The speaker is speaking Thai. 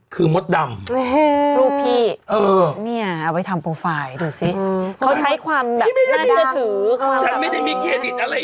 คือมดดำเห้ย